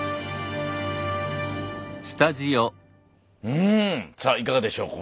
うんさあいかがでしょう？